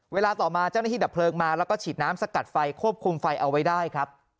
เวลาต่อมาเจ้าหน้าที่ดับเพลิงมาแล้วก็ฉีดน้ำสกัดไฟควบคุมไฟเอาไว้ได้ครับ